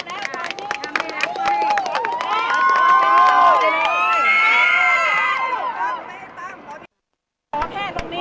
เพราะแค่ตรงนี้เราไม่ใช่มาสร้างแหละอะไร